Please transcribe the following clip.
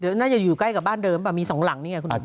เดี๋ยวน่าจะอยู่ใกล้กับบ้านเดิมมั้ยมีสองหลังนี่ไงคุณผู้ชม